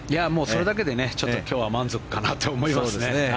それだけでちょっと今日は満足かなと思いますね。